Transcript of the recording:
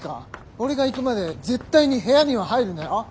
俺が行くまで絶対に部屋には入るなよ？